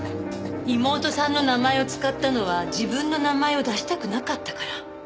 妹さんの名前を使ったのは自分の名前を出したくなかったから。